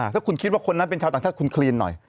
ถ้าคุณคิดว่าคนนั้นเป็นชาวต่างชาติคุณคลีนหน่อย